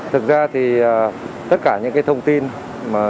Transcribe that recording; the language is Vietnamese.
thật ra thì tất cả những cái thông tin mà